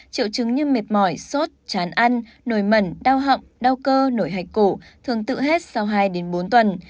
triệu chứng như mệt mỏi sốt chán ăn nổi mẩn đau họng đau cơ nổi hạch cổ thường tự hết sau hai bốn tuần